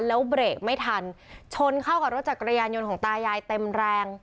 แล้วเบรกไม่ทันชนเข้ากับรถจักรยานยนต์ของตายายเต็มแรง